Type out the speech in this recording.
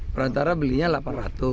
perantara belinya rp delapan ratus